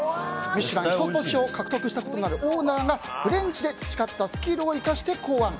「ミシュラン」一つ星を獲得したことのあるオーナーがフレンチで培ったスキルを生かして考案。